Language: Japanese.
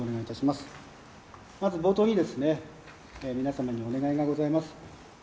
まず冒頭に皆様にお願いがございます。